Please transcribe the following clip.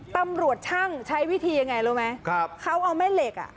ตำรวจช่างใช้วิธียังไงรู้ไหมครับเขาเอาแม่เหล็กอ่ะ